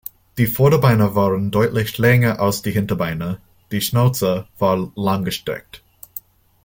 Die Vorderbeine waren deutlich länger als die Hinterbeine, die Schnauze war langgestreckt.